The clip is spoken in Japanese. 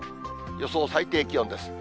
予想最低気温です。